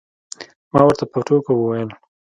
ما ورته په ټوکه وویل.